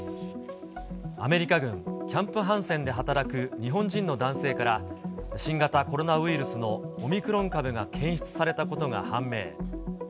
アメリカ軍キャンプ・ハンセンで働く日本人の男性から、新型コロナウイルスのオミクロン株が検出されたことが判明。